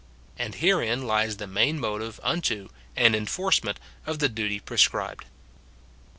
And herein lies the main motive unto and enforcement of the duty prescribed.